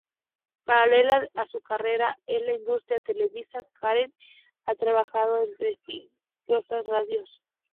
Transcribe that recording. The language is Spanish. Paralela a su carrera en la industria televisiva, Karen ha trabajado en prestigiosas radios.